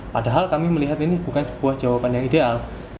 padahal kami melihat ini bukan sebuah jawaban yang ideal